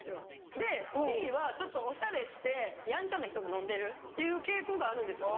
でティーはちょっとおしゃれしてやんちゃな人が飲んでるっていう傾向があるんですよね。